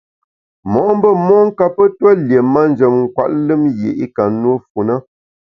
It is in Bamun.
Mo’mbe mon kape tue lié manjem nkwet lùm yié i ka nùe fu na.